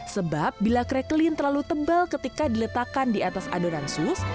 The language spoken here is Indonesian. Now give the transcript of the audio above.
sebab bila crequeline terlalu tebal ketika diletakkan di atas adonan sus